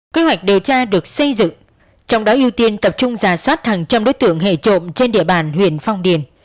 kế hoạch điều tra được xây dựng trong đó ưu tiên tập trung giả soát hàng trăm đối tượng hệ trộm trên địa bàn huyện phong điền